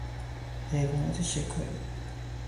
حیوانات شکاری